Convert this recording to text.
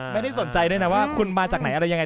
ไม่ได้สนใจด้วยนะว่าคุณมาจากไหนอะไรยังไง